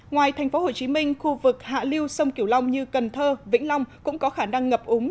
ngoài tp hcm khu vực hạ liêu sông kiểu long như cần thơ vĩnh long cũng có khả năng ngập úng